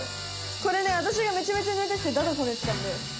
これねわたしがめちゃめちゃやりたくてだだこねてたんだよ。